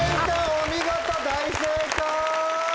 お見事大正解！